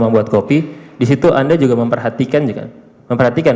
membuat kopi disitu anda juga memperhatikan